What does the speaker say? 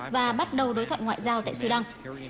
và bắt đầu đối thoại ngoại giao tại sudan